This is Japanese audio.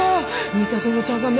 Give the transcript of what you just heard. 三田園ちゃんが眼鏡を。